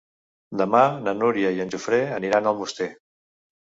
Demà na Núria i en Jofre aniran a Almoster.